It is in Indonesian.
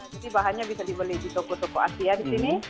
jadi bahannya bisa dibeli di toko toko asia di sini